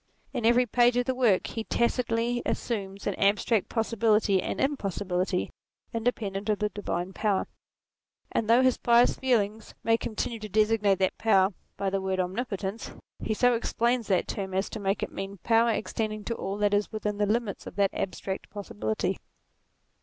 In every page of the work he tacitly assumes an abstract possibility and impossibility, independent of the divine power : and though his pious feelings make him continue to designate that power by the word Omnipotence, he so explains that term as to make it mean, power extending to all that is within the limits of that abstract possibility.